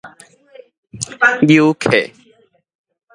搝客